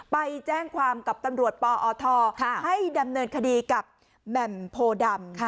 ไปแจ้งความกับตำรวจปอทให้ดำเนินคดีกับแหม่มโพดำ